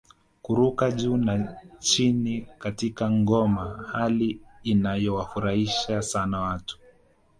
Kuruka juu na chini katika ngoma hali ianoyowafurahisha sana watu